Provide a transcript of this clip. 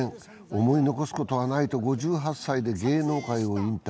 思い残すことはないと５８歳で芸能界を引退。